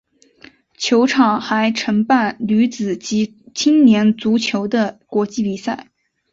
球场还承办女子及青年足球的国际比赛。